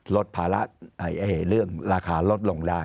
ลดภาระอาเหตุเรื่องราคารกลดลงได้